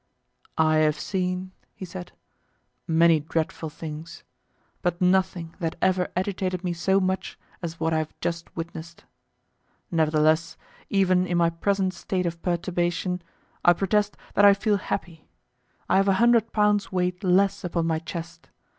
"I have seen," he said, "many dreadful things, but nothing that ever agitated me so much as what I have just witnessed. Nevertheless, even in my present state of perturbation, I protest that I feel happy. I have a hundred pounds' weight less upon my chest.